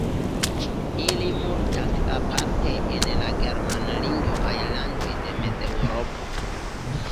Ili multas aparte en la germanlingvaj landoj de Mezeŭropo.